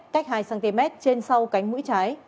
cách hai cm trên sau cánh mũi trái